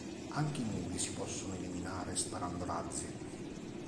Anche i muri si possono eliminare sparando razzi.